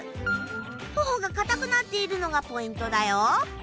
頬が硬くなっているのがポイントだよ。